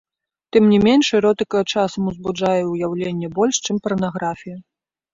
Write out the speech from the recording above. Тым не менш эротыка часам узбуджае ўяўленне больш, чым парнаграфія.